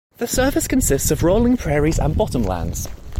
The surface consists of rolling prairies and bottom lands.